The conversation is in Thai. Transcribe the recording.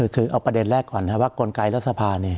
คือเอาประเด็นแรกก่อนว่ากลไกและสภา